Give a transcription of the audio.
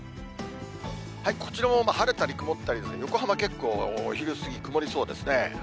こちらも晴れたり曇ったりですが、横浜、結構、お昼過ぎ、曇りそうですね。